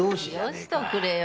よしとくれよ。